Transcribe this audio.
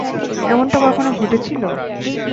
এমনটা কখনো ঘটেছিল?